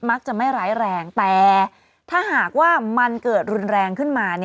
จะไม่ร้ายแรงแต่ถ้าหากว่ามันเกิดรุนแรงขึ้นมา